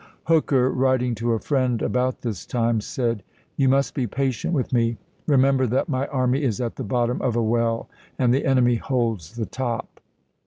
Hooker, writing to a friend about this time, said: "You TegMmray. must be patient with me. .. Remember that my g£ coming army is at the bottom of a well and the enemy of tl18e65War' holds the top."